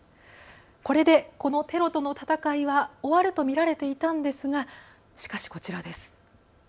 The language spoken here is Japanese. これで、このテロとの戦いは終わると見られていたんですがしかし、こちらです。